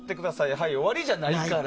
はい、終わりじゃないから。